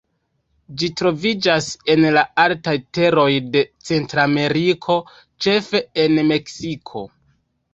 Ĝi troviĝas en la altaj teroj de Centrameriko, ĉefe en Meksiko.